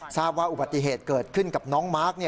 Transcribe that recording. ทราบว่าอุบัติเหตุเกิดขึ้นกับน้องมาร์ค